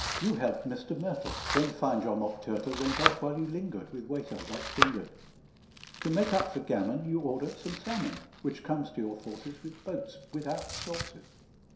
You help Mr. Myrtle, Then find your mock turtle Went off while you lingered, With waiter light fingered. To make up for gammon, You order some salmon, Which comes to your fauces, With boats without sauces.